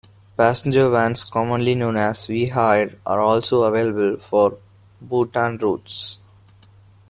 Passenger vans commonly known as V-Hire are also available for Butuan routes.